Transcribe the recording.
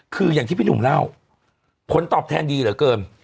คืออย่างที่พี่หนุ่มเล่าผลตอบแทนดีเหลือเกิน